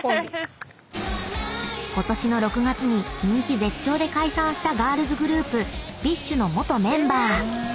［ことしの６月に人気絶頂で解散したガールズグループＢｉＳＨの元メンバー］